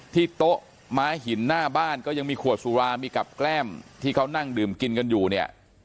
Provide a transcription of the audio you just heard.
โต๊ะม้าหินหน้าบ้านก็ยังมีขวดสุรามีกับแกล้มที่เขานั่งดื่มกินกันอยู่เนี่ย